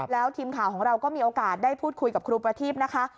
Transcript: แล้วทีมข่าวของเราก็มีโอกาสได้พูดคุยกับครูประทีพนะคะ